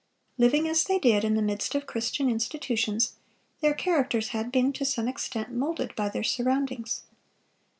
Living, as they did, in the midst of Christian institutions, their characters had been to some extent moulded by their surroundings.